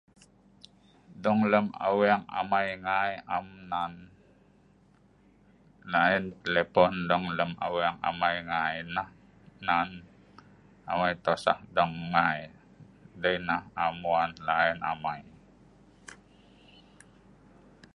Dong lem aweng amai ngai am nan lain telepon dong lem aweng amai ngai nah nan amai tosah dong ngai ndei nah am wan lain amai.